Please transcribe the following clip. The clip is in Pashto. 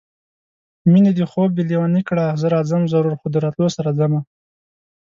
مېنې دې خوب دې لېونی کړه زه راځم ضرور خو د راتلو سره ځم